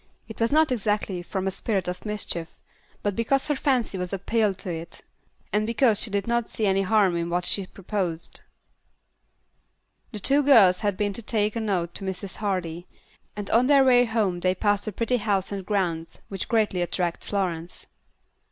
It was not exactly from a spirit of mischief, but because her fancy was appealed to, and because she did not see any harm in what she proposed. The two little girls had been to take a note to Mrs. Hardy, and on their way home they passed a pretty house and grounds which greatly attracted Florence.